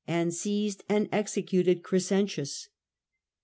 and seized and executed Crescentius.